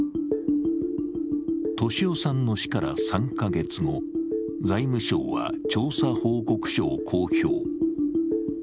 俊夫さんの死から３か月後、財務省は調査報告書を公表。